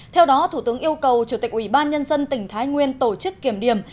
theo đó thủ tướng yêu cầu chủ tịch ủy ban nhân dân tỉnh thái nguyên tổ chức kiểm điểm